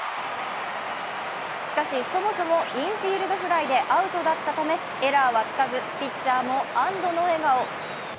しかし、そもそも、インフィールドフライでアウトだったため、エラーはつかずピッチャーも安どの笑顔。